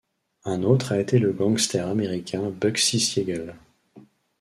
Un autre a été le gangster américain Bugsy Siegel.